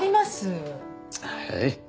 はい。